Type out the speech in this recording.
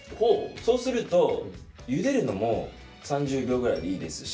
そうするとゆでるのも３０秒ぐらいでいいですし。